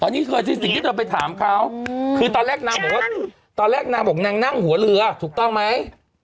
นี่คือสิ่งที่เธอไปถามเขาคือตอนแรกนางบอกว่าตอนแรกนางบอกนางนั่งหัวเรือถูกต้องไหม